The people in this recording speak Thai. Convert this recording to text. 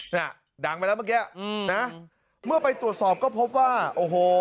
น่ะดังไปแล้วเมื่อกี้อืมนะเมื่อไปตรวจสอบก็พบว่าโอ้โห